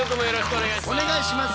お願いします。